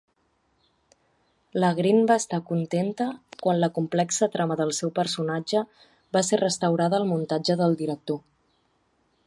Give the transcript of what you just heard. La Green va estar contenta quan la complexa trama del seu personatge va ser restaurada al muntatge del director.